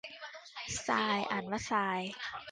ทราย อ่านว่าซาย